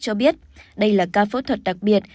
cho biết đây là ca phẫu thuật đặc biệt